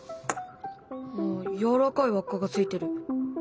やわらかい輪っかが付いている。